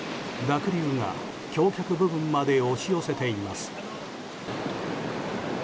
濁流が橋脚部分まで押し寄せています。